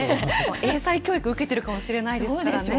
英才教育を受けてるかもしれませんからね。